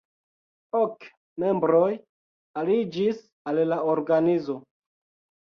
Ok membroj aliĝis al la organizo.